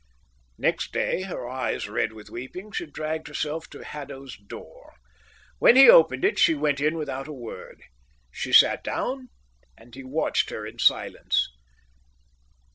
Next day, her eyes red with weeping, she dragged herself to Haddo's door. When he opened it, she went in without a word. She sat down, and he watched her in silence.